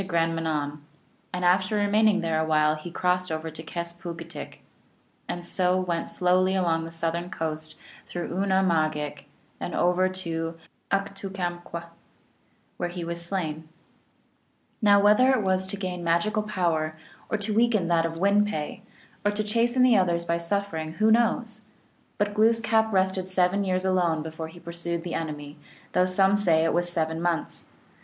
33 Grand Manan ; and after remaining there a while he crossed over to Kes poog itk (Yarmouth), and so went slowly along the southern coast through Oona mahgik (Cape Breton), and over to Uktukkamkw (New foundland), where he was slain. Now whether it was to gain magical power, or to weaken that of Win pe, or to chasten the others by suffering, who knows? But Glooskap rested seven years alone before he pursued the enemy, though some say it was seven months.